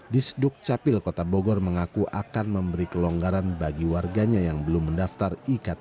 disduk capil kota bogor mengaku akan memberi kelonggaran bagi warganya yang belum mendaftar